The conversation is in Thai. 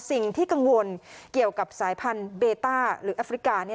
สิ่งที่กังวลเกี่ยวกับสายพันธุ์เบต้าหรือแอฟริกา